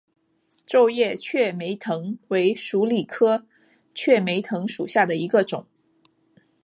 皱叶雀梅藤为鼠李科雀梅藤属下的一个种。